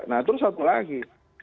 nah terus satu lagi